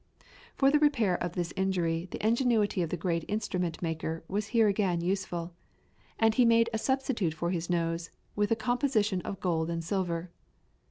For the repair of this injury the ingenuity of the great instrument maker was here again useful, and he made a substitute for his nose "with a composition of gold and silver."